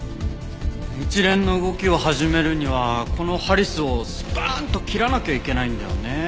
一連の動きを始めるにはこのハリスをスパンと切らなきゃいけないんだよね。